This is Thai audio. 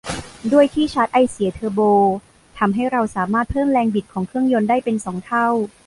ด้วยที่ชาร์จไอเสียเทอร์โบทำให้เราสามารถเพิ่มแรงบิดของเครื่องยนต์ได้เป็นสองเท่า